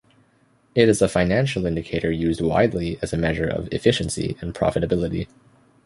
It is a financial indicator used widely as a measure of efficiency and profitability.